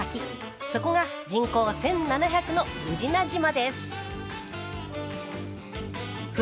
そこが人口１，７００の宇品島です風